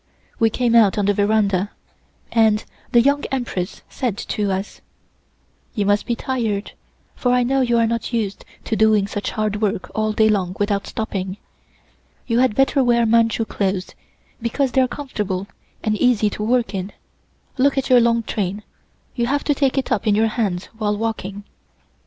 We came out on the veranda, and the Young Empress said to us: "You must be tired, for I know you are not used to doing such hard work all day long without stopping. You had better wear Manchu clothes, because they are comfortable and easy to work in. Look at your long train; you have to take it up in your hands while walking."